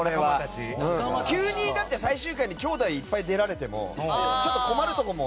急に最終回に兄弟いっぱい出られてもちょっと困るところも。